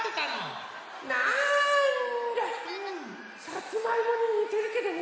さつまいもににてるけどね。